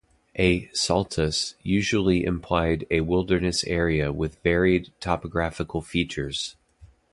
A "saltus" usually implied a wilderness area with varied topographical features.